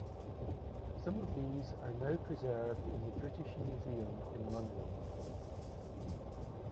Some of these are now preserved in the British Museum in London.